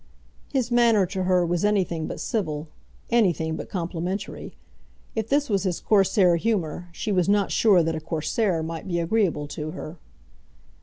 His manner to her was anything but civil, anything but complimentary. If this was his Corsair humour, she was not sure that a Corsair might be agreeable to her.